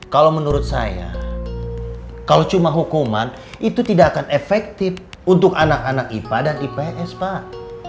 kalau menurut saya kalau cuma hukuman itu tidak akan efektif untuk anak anak ipa dan ipns pak